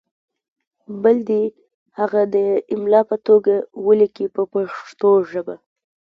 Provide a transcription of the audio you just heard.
بل دې هغه د املا په توګه ولیکي په پښتو ژبه.